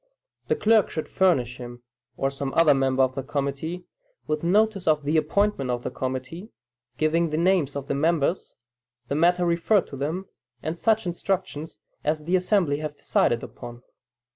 The clerk should furnish him, or some other member of the committee, with notice of the appointment of the committee, giving the names of the members, the matter referred to them, and such instructions as the assembly have decided upon.